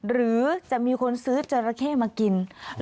หรือจะมีคนซื้อจราเข้มากิน